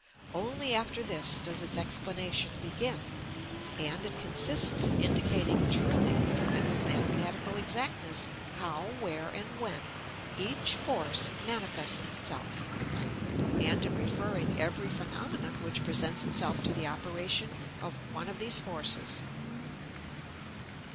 Only after this does its explanation begin, and it consists in indicating truly and with mathematical exactness, how, where and when each force manifests itself, and in referring every phenomenon which presents itself to the operation of one of these forces.